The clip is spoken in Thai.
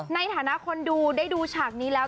ในฐานะคนดูได้ดูฉากนี้แล้ว